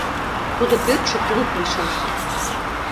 Тудо пӧртшӧ клуб лийшашлык.